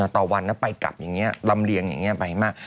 ต่อวันแล้วไปกลับอย่างนี้ลำเลียงอย่างนี้ไปมาก